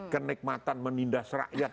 kenikmatan menindas rakyat